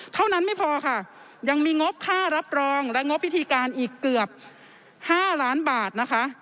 เท่านั้นไม่พอค่ะยังมีงบค่ารับรองและงบพิธีการอีกเกือบ๕ล้านบาทนะคะ